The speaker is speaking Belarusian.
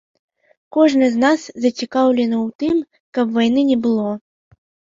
Кожны з нас зацікаўлены ў тым, каб вайны не было.